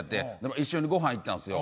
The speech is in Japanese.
一緒にご飯行ったんですよ。